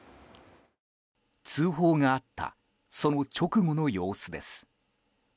通報があったその直後の様子です。